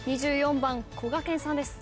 ２４番こがけんさんです。